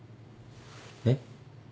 えっ？